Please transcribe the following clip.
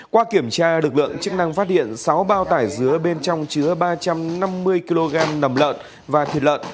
qua kiểm tra lực lượng chức năng phát hiện sáu bao tải dứa bên trong chứa ba trăm năm mươi kg nầm lợn và thịt lợn